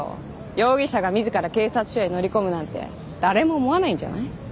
容疑者が自ら警察署へ乗り込むなんて誰も思わないんじゃない？